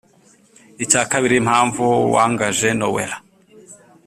icyakabiri impamvu wangaje nowela?